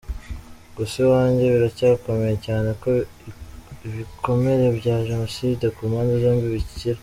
Gusa iwanjye biracyakomeye cyane ko ibikomere bya Jenoside ku mpande zombi bikira.